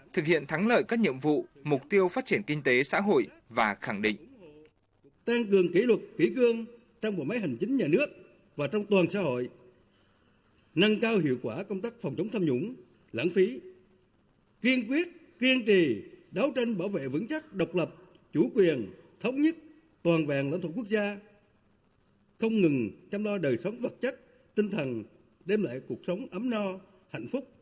thực hiện thắng lợi các nhiệm vụ mục tiêu phát triển kinh tế xã hội và khẳng định